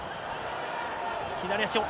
左足を。